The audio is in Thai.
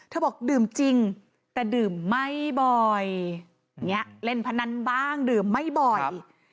บอกดื่มจริงแต่ดื่มไม่บ่อยอย่างนี้เล่นพนันบ้างดื่มไม่บ่อย